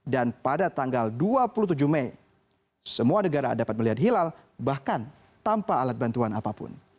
dan pada tanggal dua puluh tujuh mei semua negara dapat melihat hilal bahkan tanpa alat bantuan apapun